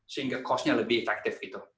sehingga cost nya lebih efektif gitu